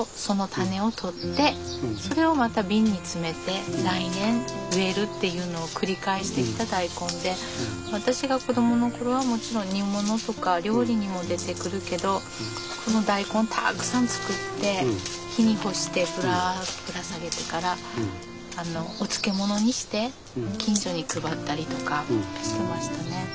昔の人だからっていうのを繰り返してきた大根で私が子どもの頃はもちろん煮物とか料理にも出てくるけどこの大根たくさん作って日に干してぶらっとぶら下げてからお漬物にして近所に配ったりとかしてましたね。